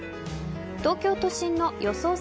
東京都心の予想